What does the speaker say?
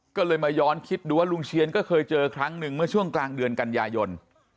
ก็เลยมาย้อนคิดดูว่าลุงเชียนก็เคยเจอครั้งหนึ่งเมื่อช่วงกลางเดือนกันยายน